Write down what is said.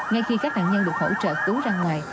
ngay khi các nạn nhân được hỗ trợ cứu ra ngoài